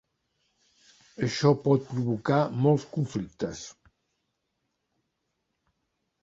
Això pot provocar molts conflictes.